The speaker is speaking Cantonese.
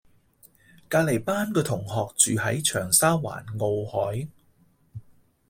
隔離班個同學住喺長沙灣傲凱